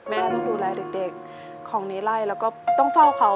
แม่ต้องดูแลเด็กของในไล่แล้วก็ต้องเฝ้าเขา